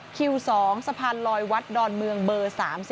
คิว๒สะพานลอยวัดดอนเมืองเบอร์๓๔